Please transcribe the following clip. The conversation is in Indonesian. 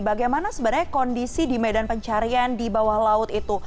bagaimana sebenarnya kondisi di medan pencarian di bawah laut itu